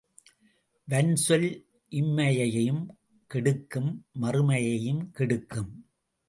வன்சொல் இம்மையையும் கெடுக்கும் மறுமையையும் கெடுக்கும்.